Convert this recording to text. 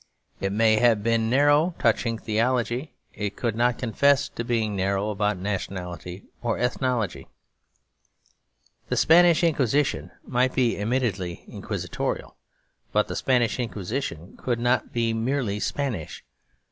It may have been narrow touching theology, it could not confess to being narrow about nationality or ethnology. The Spanish Inquisition might be admittedly Inquisitorial; but the Spanish Inquisition could not be merely Spanish.